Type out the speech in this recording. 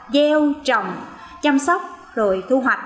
gieo trồng chăm sóc rồi thu hoạch